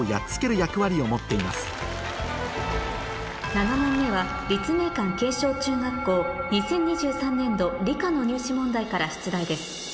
７問目は立命館慶祥中学校２０２３年度理科の入試問題から出題です